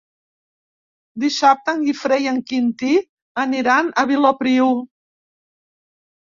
Dissabte en Guifré i en Quintí aniran a Vilopriu.